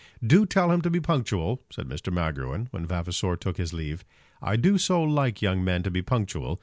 "Do tell him to be punctual," said Mr. Magruin, when Vavasor took his leave. "I do so like young men to be punctual.